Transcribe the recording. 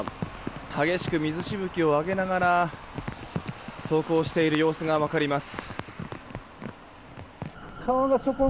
激しく水しぶきを上げながら走行している様子が分かります。